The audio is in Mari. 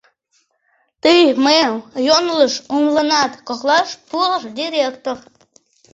— Тый мыйым йоҥылыш умыленат, — коклаш пурыш директор.